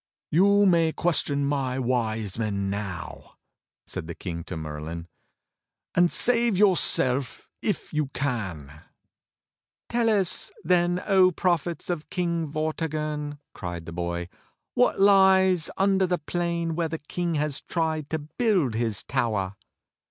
"You may question my Wise Men now," said the King to Merlin, "and save yourself if you can." "Tell us, then, O Prophets of King Vortigern," cried the boy, "what lies under the plain where the King has tried to build his tower."